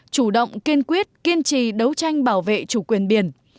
chủ động kiên quyết kiên trì đấu tranh bảo vệ chủ quyền biển